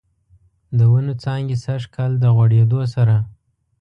د ونوو څانګې سږکال، د غوړیدو سره